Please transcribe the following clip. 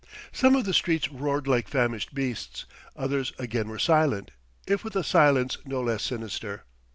Some of the streets roared like famished beasts, others again were silent, if with a silence no less sinister.